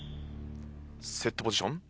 セットポジション。